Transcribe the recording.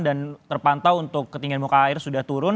dan terpantau untuk ketinggian muka air sudah turun